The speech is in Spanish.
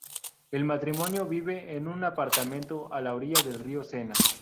El matrimonio vive en un apartamento a la orilla del río Sena.